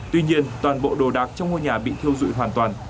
tuy nhiên toàn bộ đồ đạc trong ngôi nhà bị thiêu dụi hoàn toàn